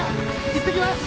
行ってきます。